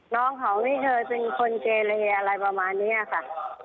น้องเขานี่เธอเป็นคนเกเลอะไรประมาณนี้ค่ะ